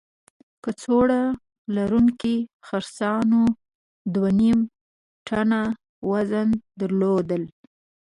کڅوړه لرونکو خرسانو دوه نیم ټنه وزن درلود.